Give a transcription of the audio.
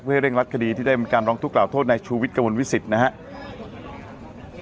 ที่ได้เร่งรัดคดีที่ได้มีการร้องทุกข่าวโทษในชูวิชกระวนวิสิตนะครับ